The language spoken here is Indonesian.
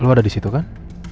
lo ada di situ kan